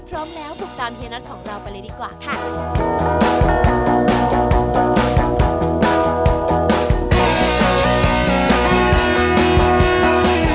พร้อมแล้วติดตามเฮียน็อตของเราไปเลยดีกว่าค่ะ